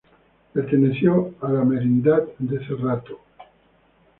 Perteneció a la merindad de Cerrato.